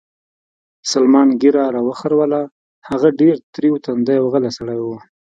سلمان ږیره را وخروله، هغه ډېر تریو تندی او غلی سړی و.